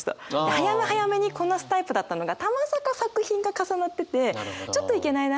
早め早めにこなすタイプだったのがたまたま作品が重なっててちょっと行けないな